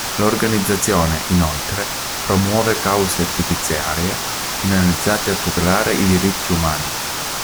L'organizzazione, inoltre, promuove cause giudiziarie finalizzate a tutelare i diritti umani.